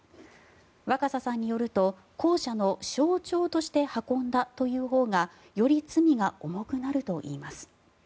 若狭さんによると後者の象徴として運んだというほうがより罪が重くなるといいます。